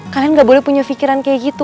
kalian gak boleh punya pikiran kayak gitu